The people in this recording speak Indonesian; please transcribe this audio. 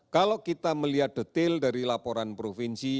kalau kita melihat detail dari laporan provinsi